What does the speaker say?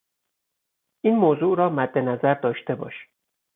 این موضوع را مد نظر داشته باش